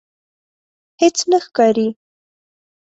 هیڅ نه ښکاري